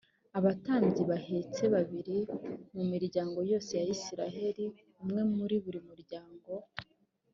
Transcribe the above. abatambyi bahetse babiri mu miryango yose ya isirayeli umwe muri buri muryango